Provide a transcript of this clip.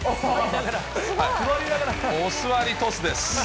お座りトスです。